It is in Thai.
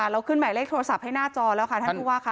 เราขึ้นหมายเลขโทรศัพท์ให้หน้าจอแล้วค่ะท่านผู้ว่าค่ะ